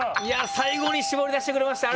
最後に絞り出してくれました。